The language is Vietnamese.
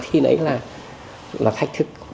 thì đấy là thách thức